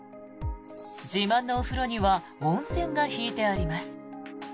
自慢の風呂には温泉が引いてあります。